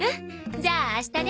じゃあ明日ね。